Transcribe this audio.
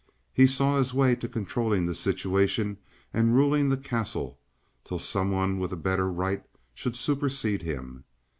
He saw his way to controlling the situation, and ruling the Castle till some one with a better right should supersede him.